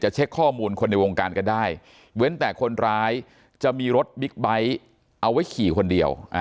เช็คข้อมูลคนในวงการกันได้เว้นแต่คนร้ายจะมีรถบิ๊กไบท์เอาไว้ขี่คนเดียว